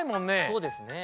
そうですね。